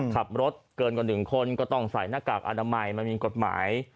ขับรถเกินกว่า๑คนก็ต้องใส่หน้ากากอนามัยมันมีกฎหมาย